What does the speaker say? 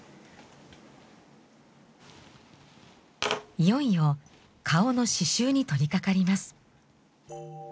いよいよ顔の刺しゅうに取りかかります。